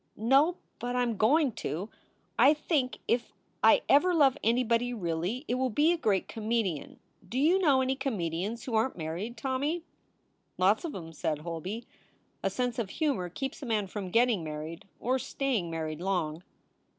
"No, but I m going to. I think if I ever love anybody really, it will be a great comedian. Do you know any come dians who aren t married, Tommy?" "Lots of em," said Holby. "A sense of humor keeps a man from getting married or staying married long."